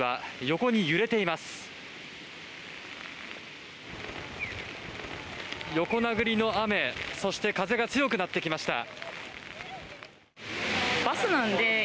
横殴りの雨そして風が強くなってきました。